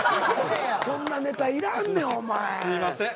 そんなネタいらんねん。